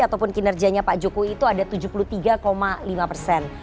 ataupun kinerjanya pak jokowi itu ada tujuh puluh tiga lima persen